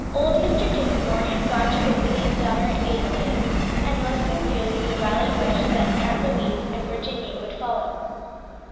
Old Mr. Dinsmore had gone to visit his daughter Adeline and most sincerely did Violet wish that "Aunt Louise" and Virginia would follow.